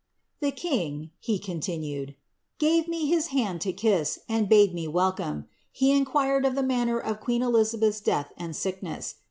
^ The king," he continued, ^ gave me his hand to kiss, and bade me welcome. Jle inquired of the manner of queen Elizabeth's death and sickness.